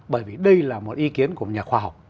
bởi vì đây là một ý kiến của nhà khoa học